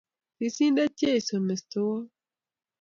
Tisiindet Jesu, Mestowot,